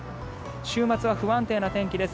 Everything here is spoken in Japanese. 週末は不安定な天気です。